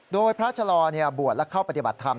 โดยพระชะลอบวชและเข้าปฏิบัติธรรม